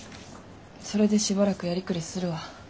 それでしばらくやりくりするわ。